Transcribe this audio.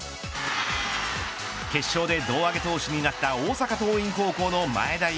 決勝で胴上げ投手になった大阪桐蔭高校の前田悠